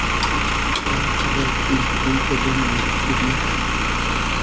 آر قئدئر کی کوی کئدوم مئنگیر نئکئد